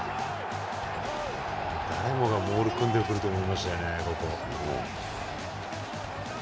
誰もがモール組んでくると思いましたよね、ここ。